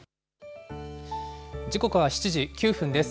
時刻は７時９分です。